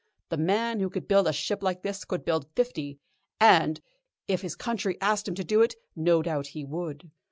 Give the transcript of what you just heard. The man who could build one ship like this could build fifty, and, if his country asked him to do it, no doubt he would.